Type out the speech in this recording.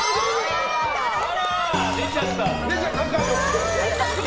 あら、出ちゃった。